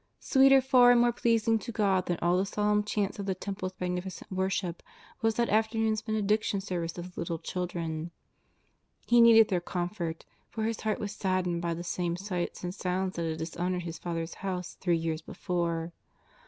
Sweeter far and more pleas ing to God than all the solemn chants of the Temple's magnificent worship, was that afternoon's Benediction service of the little children. He needed their comfort, for His Heart was sad dened by the same sights and sounds that had dis honoured His Father's House three years before.